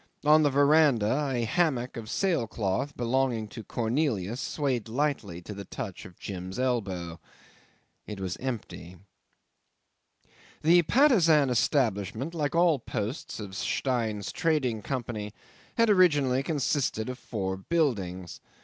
On the verandah a hammock of sail cloth, belonging to Cornelius, swayed lightly to the touch of Jim's elbow. It was empty. 'The Patusan establishment, like all the posts of Stein's Trading Company, had originally consisted of four buildings.